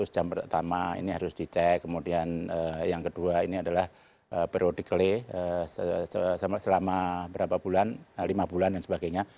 dua ratus jam pertama ini harus dicek kemudian yang kedua ini adalah periodically selama berapa bulan lima bulan dan sebagainya